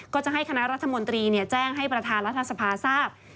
ก็จะให้คณะรัฐมนตรีแจ้งให้ประธานรัฐสภาทราบ